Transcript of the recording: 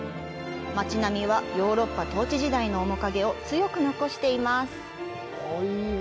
街並みはヨーロッパ統治時代の面影を強く残しています。